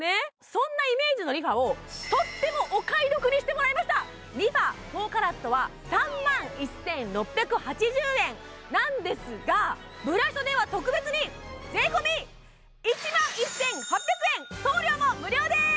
そんなイメージのＲｅＦａをＲｅＦａ４ＣＡＲＡＴは３万１６８０円なんですがブラショでは特別に税込１万１８００円送料も無料です